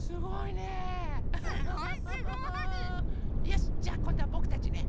よしじゃあこんどはぼくたちね。